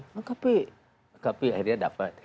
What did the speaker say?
lengkapi lengkapi akhirnya dapat